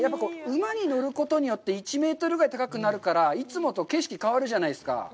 馬に乗ることによって１メートルぐらい高くなるから、いつもと景色が変わるじゃないですか。